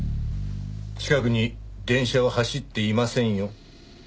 近くに電車は走っていませんよ。